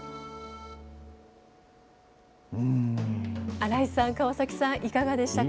新井さん、川崎さん、いかがでしたか。